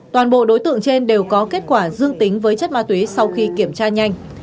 toàn bộ đối tượng trên đều có kết quả dương tính với chất ma túy sau khi kiểm tra nhanh